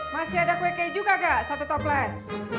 masih ada kue keju kagak satu toples